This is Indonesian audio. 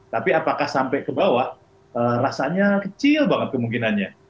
tapi apakah sampai ke bawah rasanya kecil banget kemungkinannya